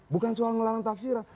bukan soal melarang tafsiran